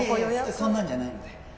そんなんじゃないので